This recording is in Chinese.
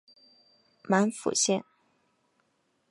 满浦线